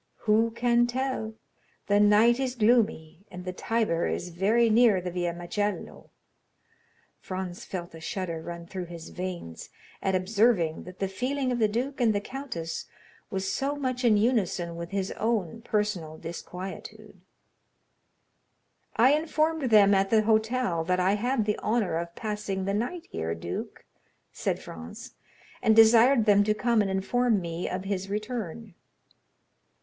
"Who can tell? The night is gloomy, and the Tiber is very near the Via Macello." Franz felt a shudder run through his veins at observing that the feeling of the duke and the countess was so much in unison with his own personal disquietude. "I informed them at the hotel that I had the honor of passing the night here, duke," said Franz, "and desired them to come and inform me of his return."